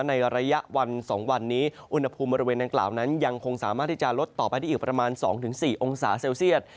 ในระยะวัน๒วันนี้อุณหภูมิบริเวณดังกล่าวนั้นยังคงสามารถที่จะลดต่อไปได้อีกประมาณ๒๔องศาเซลเซียต